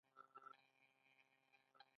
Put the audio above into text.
د بیان ازادي مهمه ده ځکه چې ماشومانو حقونه ساتي.